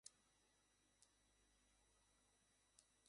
বাসায় সবার ডায়রিয়া হয়েছে কিন্তু কোন ওষুধ কাজ করছে না।